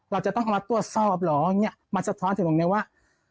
เราจะต้องเอามาตรวจสอบหรอมันสะท้านถึงตรงนี้ว่า